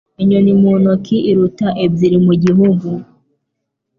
Inyoni mu ntoki iruta ebyiri mu gihuru.